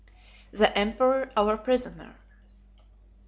The Emperor Our Prisoner.